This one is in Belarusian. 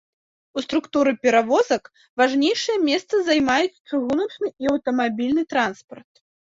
У структуры перавозак важнейшае месца займаюць чыгуначны і аўтамабільны транспарт.